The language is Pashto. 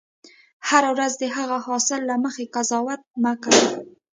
هره ورځ د هغه حاصل له مخې قضاوت مه کوه.